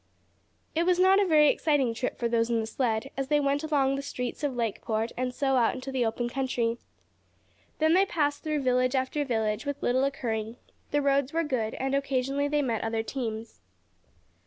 It was not a very exciting trip for those in the sled, as they went along through the streets of Lakeport and so out into the open country. Then they passed through village after village, with little occurring. The roads were good, and occasionally they met other teams.